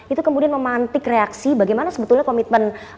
itu kemudian memantik reaksi bagaimana sebetulnya komitmen